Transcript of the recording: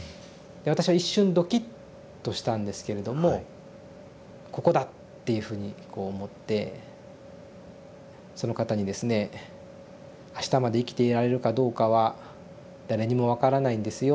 で私は一瞬ドキッとしたんですけれども「ここだ」っていうふうにこう思ってその方にですね「あしたまで生きていられるかどうかは誰にも分からないんですよ